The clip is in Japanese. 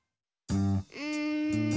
うん。